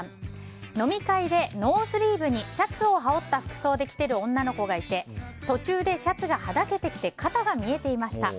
飲み会でノースリーブにシャツを羽織った服装で来ている女の子がいて途中でシャツが歯だけで肩が見えていました。